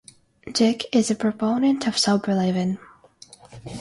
Dick is a proponent of sober living.